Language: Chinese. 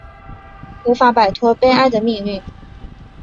无法摆脱悲哀的命运